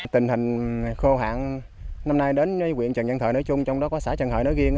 tình hình khô hạn năm nay đến với huyện trần văn thợ nói chung trong đó có xã trần hợi nói riêng